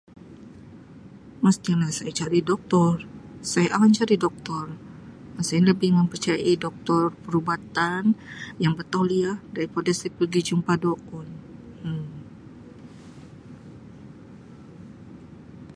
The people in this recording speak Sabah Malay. Mesti lah saya cari Doktor saya akan cari Doktor saya lebih mempercayai Doktor perubatan yang bertauliah daripada saya pegi jumpa Dukun Um.